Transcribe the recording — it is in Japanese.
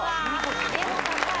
でも高い。